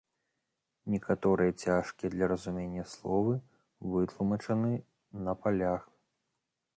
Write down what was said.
Некаторыя цяжкія для разумення словы вытлумачаны на палях.